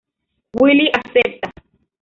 Willie acepta.